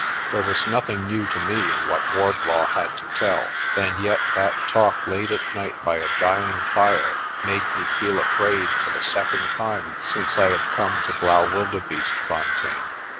There was nothing new to me in what Wardlaw had to tell, and yet that talk late at night by a dying fire made me feel afraid for the second time since I had come to Blaau^ wildebeestefontein.